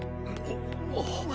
あっ。